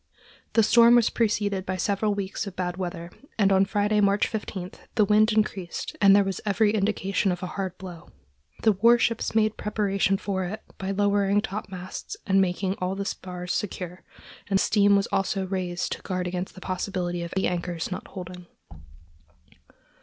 The storm was preceded by several weeks of bad weather, and on Friday, March 15, the wind increased and there was every indication of a hard blow. The war ships made preparation for it by lowering topmasts and making all the spars secure, and steam was also raised to guard against the possibility of the anchors not holding.